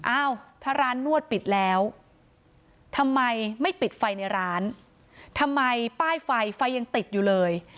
อ้าวถ้าร้านนวดปิดแล้วทำไมไม่ปิดไฟในร้านทำไมป้ายไฟไฟยังติดอยู่เลย